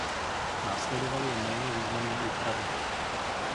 Následovaly jen méně významné úpravy.